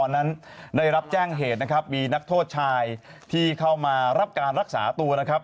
นั้นได้รับแจ้งเหตุนะครับมีนักโทษชายที่เข้ามารับการรักษาตัวนะครับ